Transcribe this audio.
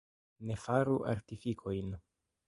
Ne faru artifikojn.